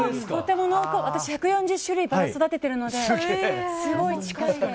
私、１４０種類バラを育てているのですごい近いです。